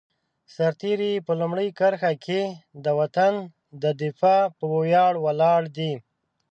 سرتېری په لومړۍ کرښه کې د وطن د دفاع په ویاړ ولاړ دی.